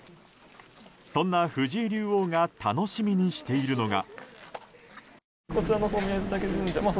そんな藤井竜王が楽しみにしているのが。